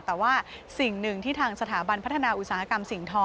แต่ว่าสิ่งหนึ่งที่ทางสถาบันพัฒนาอุตสาหกรรมสิ่งทอ